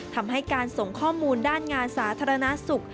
ทำให้การส่งข้อมูลด้านงานสาธารณสุข